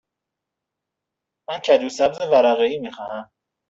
من کدو سبز ورقه ای می خواهم.